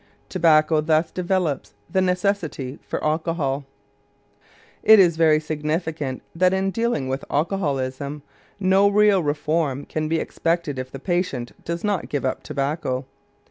Tobacco thus develops the necessity for alcohol. It is very significant that in dealing with alcoholism no real reform can be expected if the patient does not give up tobacco.